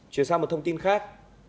chuyển sang một thông tin khác